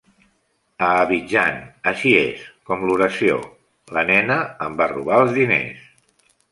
A Abidjan, així és com l'oració La nena em va robar els diners.